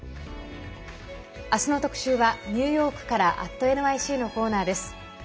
明日の特集はニューヨークから「＠ｎｙｃ」のコーナーです。